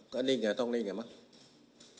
ก็นิ่งอย่างนี้ต้องนิ่งอย่างนี้